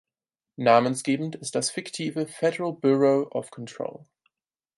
Namensgebend ist das fiktive "Federal Bureau of Control".